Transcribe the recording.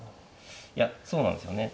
いやそうなんですよね。